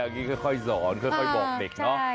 อย่างนี้ค่อยสอนค่อยบอกเด็กเนาะ